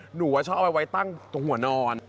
หนูว่าชอบเอาไว้ตั้งตรงหัวนอน